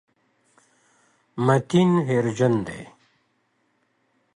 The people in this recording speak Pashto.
متین هېرجن دی.